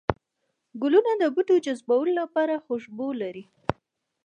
گلونه د بوټو جذبولو لپاره خوشبو لري